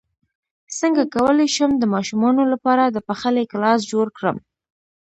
څنګه کولی شم د ماشومانو لپاره د پخلی کلاس جوړ کړم